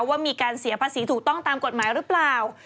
ว่ามีการเสียภาษีถูกต้องตามกฎหมายหรือเปล่า